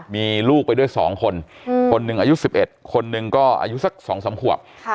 มีลูกไปด้วย๒คนคนหนึ่งอายุ๑๑คนหนึ่งก็อายุสัก๒๓ขวบ